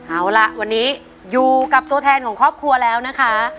เอาล่ะวันนี้อยู่กับตัวแทนของครอบครัวแล้วนะคะ